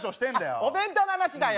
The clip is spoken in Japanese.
あっお弁当の話だよ。